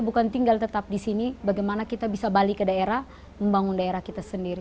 bukan tinggal tetap di sini bagaimana kita bisa balik ke daerah membangun daerah kita sendiri